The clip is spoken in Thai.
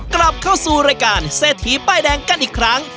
กลับเข้าสู่รายการเศรษฐีป้ายแดงกันอีกครั้ง